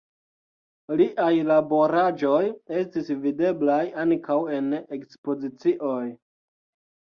Liaj laboraĵoj estis videblaj ankaŭ en ekspozicioj.